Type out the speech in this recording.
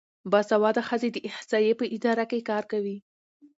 باسواده ښځې د احصایې په اداره کې کار کوي.